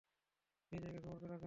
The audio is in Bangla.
এই জায়গার খবর পেলো কেমনে?